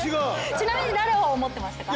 ちなみに誰を思ってましたか？